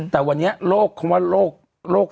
แต่วันนี้โรคคำว่าโรค